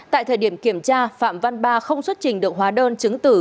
tại thời điểm kiểm tra phạm văn ba không xuất trình được hóa đơn chứng tử